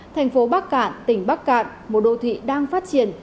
thành phố bắc cạn tỉnh bắc cạn một đô thị đang phát triển